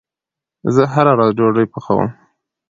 زه هره ورځ ډوډې پخوم